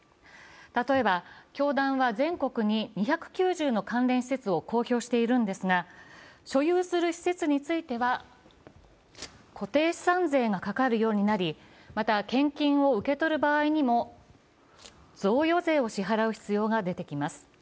例えば、教団は全国に２９０の関連施設を公表しているんですが所有する施設については固定資産税がかかるようになり、また献金を受け取る場合にも贈与税を支払う必要が出てきます。